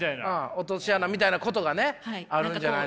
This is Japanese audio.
落とし穴みたいなことがねあるんじゃないかと。